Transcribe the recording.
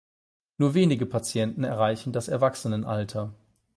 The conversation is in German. Nur wenige Patienten erreichen das Erwachsenenalter.